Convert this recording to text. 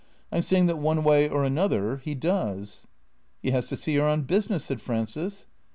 I 'm saying that one way or another, he does." " He has to see her on business," said Frances.